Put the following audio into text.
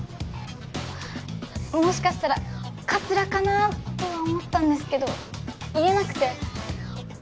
もしかしたらカツラかな？とは思ったんですけど言えなくて。